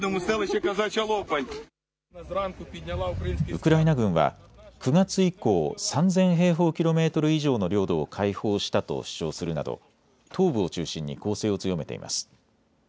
ウクライナ軍は９月以降、３０００平方キロメートル以上の領土を解放したと主張するなど東部を中心に攻勢を強めています。